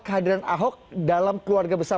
kehadiran ahok dalam keluarga besar